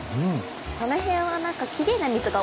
この辺はなんかきれいな水が多いですね。